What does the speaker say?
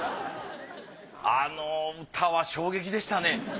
あの歌は衝撃でしたね。